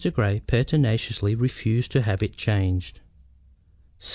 Grey pertinaciously refused to have it changed.